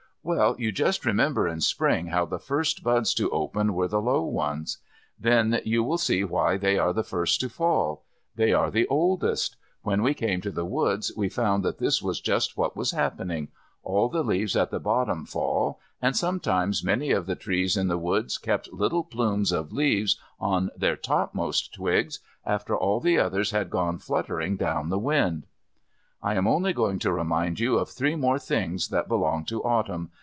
Well, you just remember in Spring how the first buds to open were the low ones. Then you will see why they are the first to fall. They are the oldest. When we came to the woods we found that this was just what was happening. All the leaves at the bottom fall, and sometimes many of the trees in the woods kept little plumes of leaves on their topmost twigs after all the others had gone fluttering down the wind. I am only going to remind you of three more things that belong to Autumn.